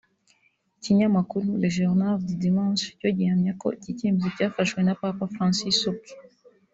Ikinyamakuru Le Journal du Dimanche cyo gihamya ko iki cyemezo cyafashwe na Papa Francis ubwe